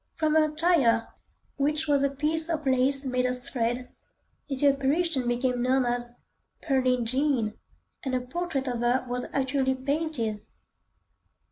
From her attire, which was a piece of lace made of thread, the apparition became known as "Pearlin' Jean," and a portrait of her was actually painted.